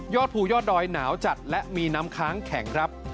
ภูยอดดอยหนาวจัดและมีน้ำค้างแข็งครับ